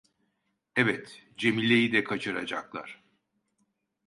Evet, Cemile'yi de kaçıracaklar.